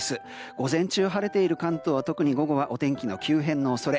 午前中晴れている関東は特に午後はお天気の急変の恐れ。